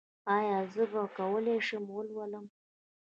ایا زه به وکولی شم ولولم؟